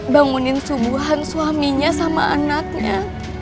bangunin subuhan suaminya sama anaknya